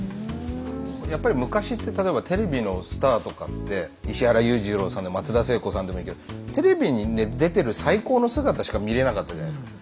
やっぱり昔って例えばテレビのスターとかって石原裕次郎さんでも松田聖子さんでもいいけどテレビに出てる最高の姿しか見れなかったじゃないですか。